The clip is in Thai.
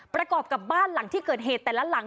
ประกอบกับบ้านหลังที่เกิดเหตุแต่ละหลัง